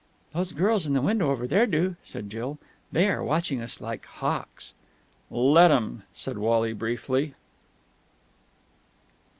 "Those girls in that window over there do," said Jill. "They are watching us like hawks." "Let 'em!" said Wally briefly.